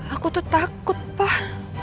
aku tuh takut pak